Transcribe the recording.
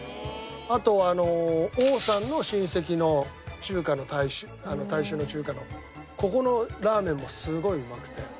あと王さんの親戚の大衆の中華のここのラーメンもすごいうまくて。